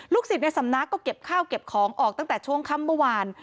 ศิษย์ในสำนักก็เก็บข้าวเก็บของออกตั้งแต่ช่วงค่ำเมื่อวาน